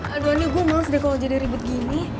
aduh anu gua males deh kalo jadi ribut gini